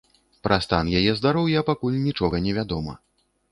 Пра стан яе здароўя пакуль нічога невядома.